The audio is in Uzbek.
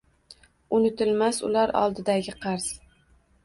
Unutilmas ular oldidagi qarz.